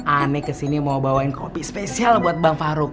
aneh kesini mau bawain kopi spesial buat bang fahruk